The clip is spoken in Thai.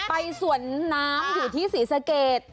ไปสวนน้ำอยู่ที่ศรีสะเกด